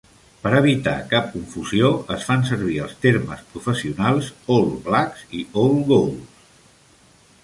Per evitar cap confusió, es fan servir els termes professionals All Blacks i All Golds.